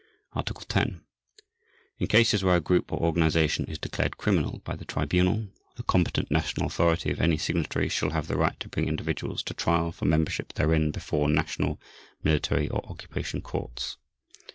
Article 10. In cases where a group or organization is declared criminal by the Tribunal, the competent national authority of any Signatory shall have the right to bring individuals to trial for membership therein before national, military, or occupation courts.